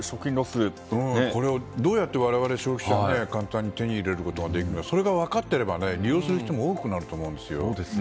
どうやって我々消費者が簡単に手に入れることができるかそれが分かっていれば利用する人も多くなると思います。